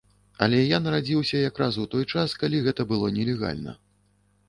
Але я нарадзіўся якраз у той час, калі гэта было нелегальна.